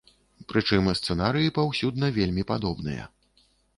Прычым сцэнарыі паўсюдна вельмі падобныя.